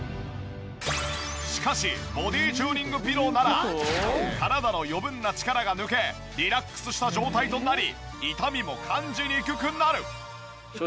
しかしボディチューニングピローなら体の余分な力が抜けリラックスした状態となり痛みも感じにくくなる！